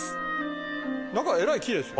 中えらいキレイですよ。